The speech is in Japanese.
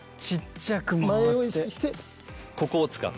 前を意識してここを使う。